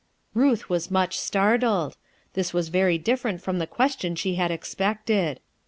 Buth was much startled. This was very different from the question she had expected.